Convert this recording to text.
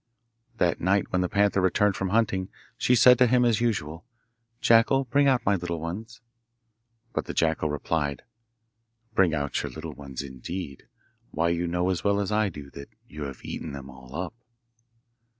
That night, when the panther returned from hunting, she said to him as usual, 'Jackal, bring out my little ones.' But the jackal replied: 'Bring out your little ones, indeed! Why, you know as well as I do that you have eaten them all up.